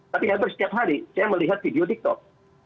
tapi hampir setiap hari saya melihat video tiktok